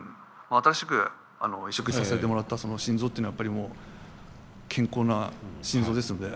新しく移植させてもらったその心臓っていうのはやっぱりもう健康な心臓ですので。